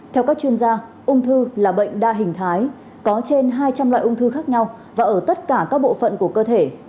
theo các chuyên gia ung thư là bệnh đa hình thái có trên hai trăm linh loại ung thư khác nhau và ở tất cả các bộ phận của cơ thể